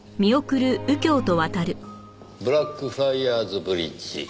ブラックフライアーズブリッジ。